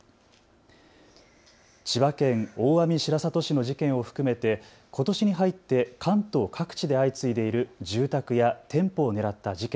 千葉県大網白里市の事件を含めてことしに入って関東各地で相次いでいる住宅や店舗を狙った事件。